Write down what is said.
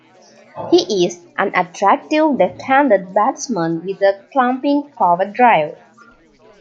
He is "an attractive left-handed batsman with a clumping cover-drive".